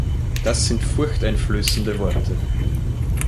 Das sind furchteinflößende Worte.